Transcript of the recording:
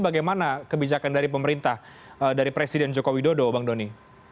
bagaimana kebijakan dari pemerintah dari presiden joko widodo bang doni